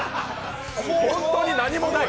本当に何もない。